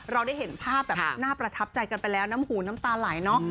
เราได้เห็นภาพแบบน่าประทับใจกันไปแล้วน้ำหูน้ำตาไหลเนอะ